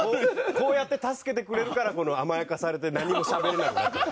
こうやって助けてくれるから甘やかされて何もしゃべれなくなっちゃう。